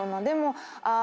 でも。